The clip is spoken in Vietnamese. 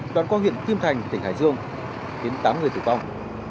đoàn quang hiện kim thành tỉnh hải dương khiến tám người tử vong